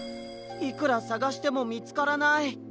いくらさがしてもみつからない！